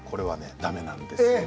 だめなんです。